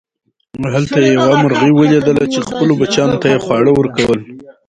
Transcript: هلته یې یوه مرغۍ وليدله چې خپلو بچیانو ته یې خواړه ورکول.